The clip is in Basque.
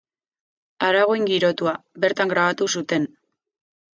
Aragoin girotua, bertan grabatu zuten.